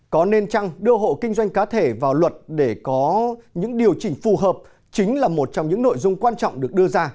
có nên chăng đưa hộ kinh doanh cá thể vào luật để có những điều chỉnh phù hợp chính là một trong những nội dung quan trọng được đưa ra